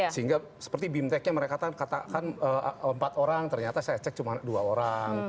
sehingga seperti bimteknya mereka katakan empat orang ternyata saya cek cuma dua orang